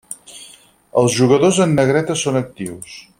Els jugadors en negreta són actius.